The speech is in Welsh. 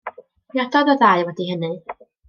Priododd y ddau wedi hynny.